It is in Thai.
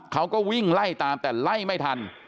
เขาก็วิ่งไล่ตามแต่ไล่ไม่ทัน